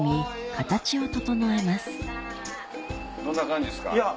どんな感じですか？